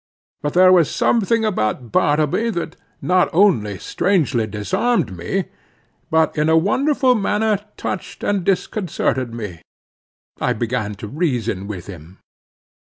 But there was something about Bartleby that not only strangely disarmed me, but in a wonderful manner touched and disconcerted me. I began to reason with him.